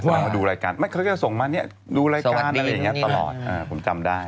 มาดูรายการเขาก็จะส่งมาดูรายการอะไรอย่างนี้ตลอดผมจำได้